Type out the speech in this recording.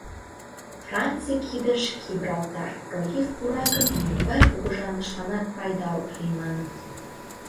«Франций кидыш Гибралтар пролив пура гын, нимогай кугыжанышланат пайда ок лий», — маныт.